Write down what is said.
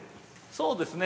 そうですね。